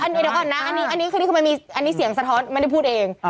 เดี๋ยวก่อนนะอันนี้คือมันมีเสียงสะท้อนมันได้พูดเอง